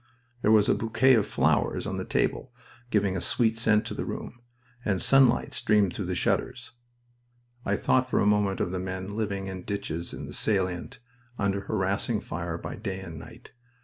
There was a bouquet of flowers on the table, giving a sweet scent to the room, and sunlight streamed through the shutters... I thought for a moment of the men living in ditches in the salient, under harassing fire by day and night.